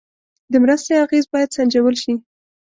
د مرستې اغېز باید سنجول شي.